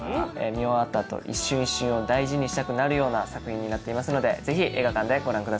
見終わったあと一瞬一瞬を大事にしたくなるような作品になっていますのでぜひ映画館でご覧ください。